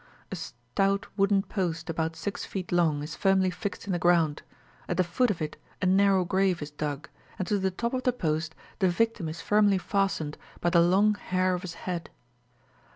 A stout wooden post about six feet long is firmly fixed in the ground, at the foot of it a narrow grave is dug, and to the top of the post the victim is firmly fastened by the long hair of his head.